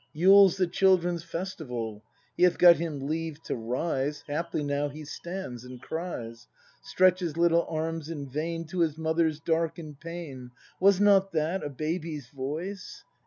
Yule's the children's festival, He hath got him leave to rise. Haply now he stands, and cries. Stretches little arms in vain To his mother's darken'd pane. Was not that a baby's voice